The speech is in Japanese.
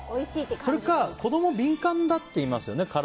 それか、子供は敏感だっていいますよね。